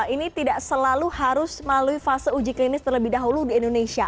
ini tidak selalu harus melalui fase uji klinis terlebih dahulu di indonesia